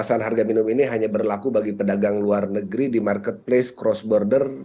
pembatasan harga minum ini hanya berlaku bagi pedagang luar negeri di marketplace cross border